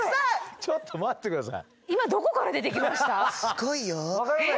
ちょっと待って下さい。